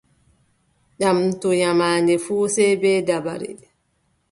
Ƴamtu nyaamaande fuu sey bee dabare.